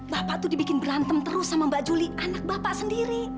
bapak tuh dibikin berantem terus sama mbak juli anak bapak sendiri